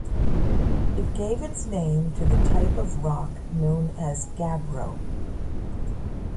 It gave its name to the type of rock known as gabbro.